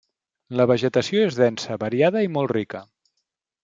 La vegetació és densa, variada i molt rica.